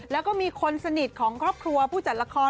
แล้วก็มีคนสนิทของครอบครัวผู้จัดละคร